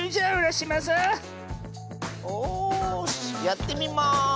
よしやってみます。